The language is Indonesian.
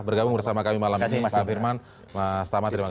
bergabung bersama kami malam ini